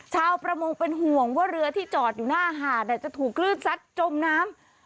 ชาวประมงเป็นห่วงว่าเรือที่จอดอยู่หน้าหาดจะถูกคลื่นซัดจมน้ำ